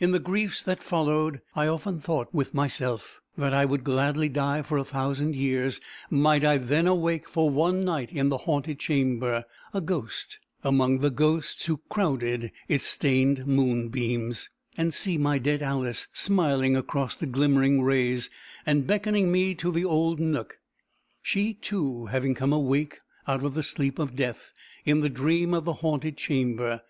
In the griefs that followed, I often thought with myself that I would gladly die for a thousand years, might I then awake for one night in the haunted chamber, a ghost, among the ghosts who crowded its stained moonbeams, and see my dead Alice smiling across the glimmering rays, and beckoning me to the old nook, she, too, having come awake out of the sleep of death, in the dream of the haunted chamber.